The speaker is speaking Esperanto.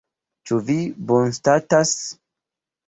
Ĉu vi bonstatas?